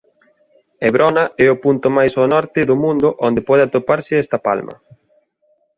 Evrona é o punto máis ao norte no mundo onde pode atoparse esta palma.